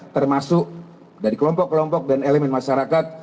termasuk dari kelompok kelompok dan elemen masyarakat